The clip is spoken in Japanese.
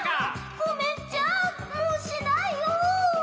ごめんっちゃもうしないよ